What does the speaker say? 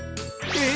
え？